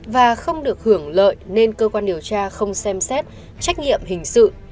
và không được hưởng lợi nên cơ quan điều tra không xem xét trách nhiệm hình sự